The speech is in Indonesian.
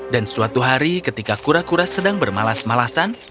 dan suatu hari ketika kura kura sedang bermalas malasan